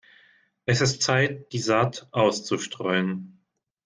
Es ist Zeit, die Saat auszustreuen.